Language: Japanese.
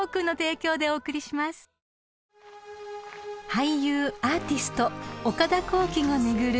［俳優アーティスト岡田浩暉が巡る